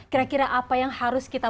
kira kira apa yang harus kita